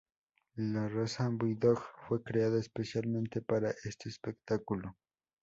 La raza bulldog fue creada especialmente para este espectáculo.